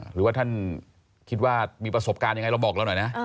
หรือว่าท่านคิดว่ามีประสบการณ์ยังไงเราบอกเราหน่อยนะ